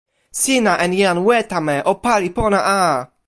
sina en jan Wetame o pali pona a!